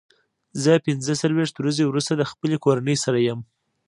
زه پنځه څلوېښت ورځې وروسته د خپلې کورنۍ سره یم.